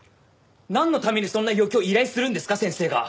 なんのためにそんな余興を依頼するんですか先生が。